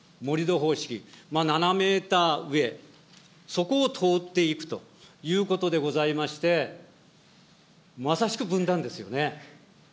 ７メーター上、そこを通っていくということでございまして、まさしく分断ですよね。